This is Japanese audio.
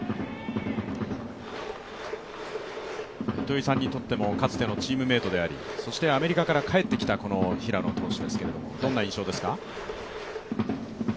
糸井さんにとっても、かつてのチームメイトでもありアメリカから帰ってきた平野投手ですけれども、どんな印象ですか？